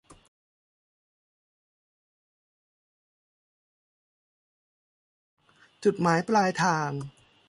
จุดหมายปลายทาง